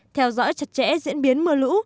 theo dõi chặt chẽ diễn biến mưa lũ